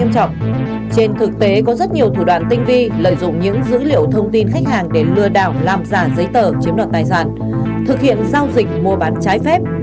trên thực tế có rất nhiều thủ đoạn tinh vi lợi dụng những dữ liệu thông tin khách hàng để lừa đảo làm giả giấy tờ chiếm đoạt tài sản thực hiện giao dịch mua bán trái phép